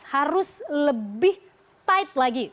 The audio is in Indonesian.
harus lebih tight lagi